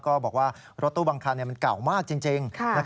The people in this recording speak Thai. ก็บอกว่ารถตู้บางคันเนี้ยมันเก่ามากจริงจริงค่ะนะครับ